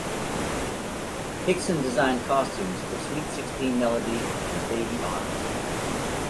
Hickson designed costumes for "Sweet Sixteen Melody" and "Baby Arms".